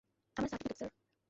আমার certificate, sir.